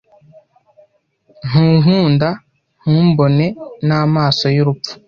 Ntunkunda Ntumbone namaso yurupfu